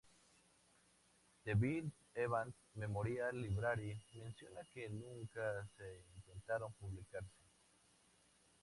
The Bill Evans Memorial Library menciona que nunca se intentaron publicarse.